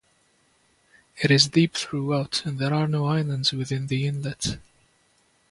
It is deep throughout and there are no islands within the inlet.